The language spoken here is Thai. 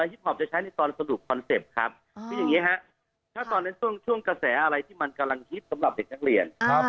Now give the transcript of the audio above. ฮิปพอปจะใช้ในตอนสรุปคอนเซ็ปต์ครับคืออย่างนี้ฮะถ้าตอนนั้นช่วงกระแสอะไรที่มันกำลังฮิตสำหรับเด็กนักเรียน